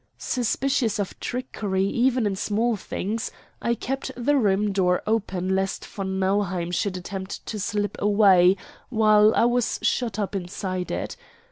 Suspicious of trickery in even small things, I kept the room door open lest von Nauheim should attempt to slip away while I was shut up inside it.